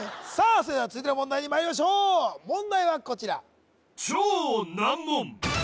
それでは続いての問題にまいりましょう問題はこちら